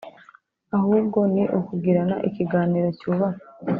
ahubwo ni ukugirana ikiganiro cyubaka